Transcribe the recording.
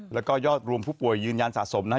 แล้วก็ยอดรวมผู้ป่วยยืนยันสะสมนะฮะ